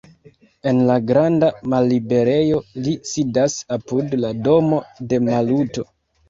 En la granda malliberejo li sidas, apud la domo de Maluto.